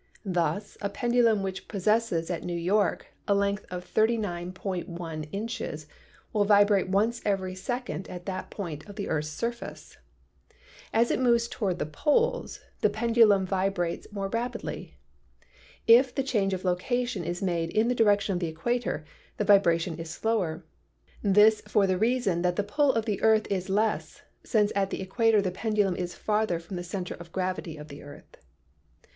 Thus a pendulum which possesses at New York a length of 39.1 5 — Foucault's Experiment Showing Rotation of the Earth. THE PROPERTIES OF MATTER 25 inches will vibrate once every second at that point of the earth's surface. As it moves toward the poles the pendu lum vibrates more rapidly. If the change of location is made in the direction of the equator the vibration is slower; this for the reason that the pull of the earth is less, since at the equator the pendulum is farther from the center of gravity of the earth.